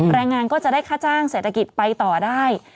แรงงานก็จะได้ค่าจ้างเศรษฐกิจไปต่อได้